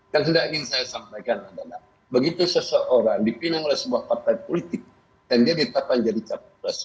yang sudah ingin saya sampaikan adalah begitu seseorang dipinang oleh sebuah partai politik dan dia ditetapkan jadi capres